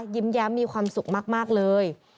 ยิ้มแย้มมีความสุขมากเลย